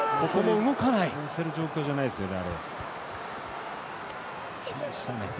押せる状況じゃないですね。